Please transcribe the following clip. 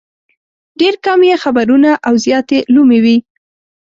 ډېر کم یې خبرونه او زیات یې لومې وي.